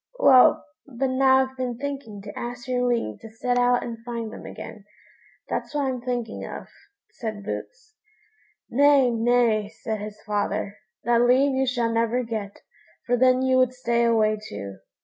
"Well, but now I've been thinking to ask your leave to set out and find them again; that's what I'm thinking of," said Boots. "Nay, nay!" said his father; "that leave you shall never get, for then you would stay away too."